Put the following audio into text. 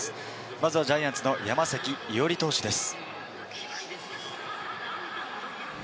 まずはジャイアンツの山崎伊織投手です。